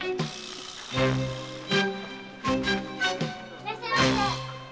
いらっしゃいませ。